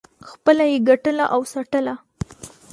خپله یې ګټله او څټله.